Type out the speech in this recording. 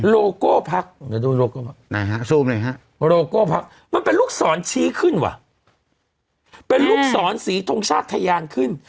โลโก้ภัคดิ์ภาคแบบไปลุกสอนชี้ขึ้นลุกสอนสีทงชาติทายารขึ้น